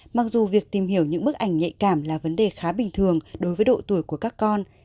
mặc dù việc tìm hiểu những bức ảnh nhạy cảm là vấn đề khá bình thường đối với độ tuổi của các con